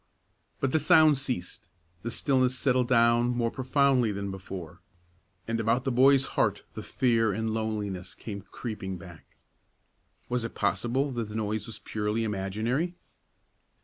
But the sound ceased, the stillness settled down more profoundly than before, and about the boy's heart the fear and loneliness came creeping back. Was it possible that the noise was purely imaginary?